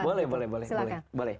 boleh boleh boleh